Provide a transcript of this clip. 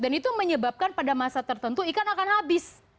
dan itu menyebabkan pada masa tertentu ikan akan habis